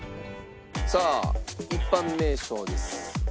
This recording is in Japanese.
さあ一般名称です。